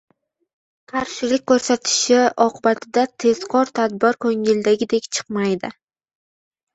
qarshilik ko‘rsatishi oqibatida tezkor tadbir «ko‘ngildagidek» chiqmaydi.